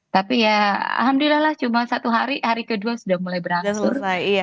tapi ya alhamdulillah lah cuma satu hari hari kedua sudah mulai berangsur